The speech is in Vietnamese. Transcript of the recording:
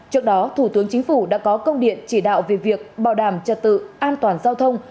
trước đó thủ tướng chính phủ đã có công điện chỉ đạo về việc bảo đảm trật tự an toàn giao thông